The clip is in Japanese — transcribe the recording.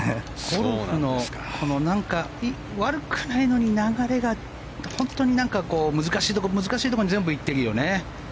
ゴルフが何か、悪くないのに流れが、本当に難しいところ、難しいところに全部行ってるよね。